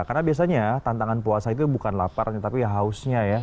karena biasanya tantangan puasa itu bukan lapar tapi hausnya ya